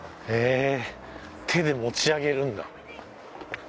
へえ手で持ち上げるんだ。